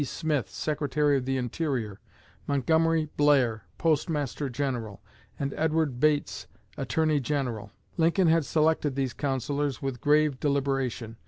Smith, Secretary of the Interior; Montgomery Blair, Postmaster General; and Edward Bates, Attorney General. Lincoln had selected these counselors with grave deliberation.